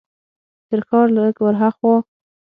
تر ښار لږ هاخوا یو رومي تیاتر دی.